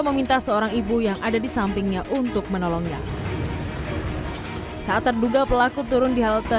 meminta seorang ibu yang ada di sampingnya untuk menolongnya saat terduga pelaku turun di halte